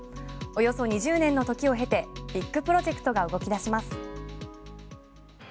およそ２０年のときを経てビッグプロジェクトが動き出します。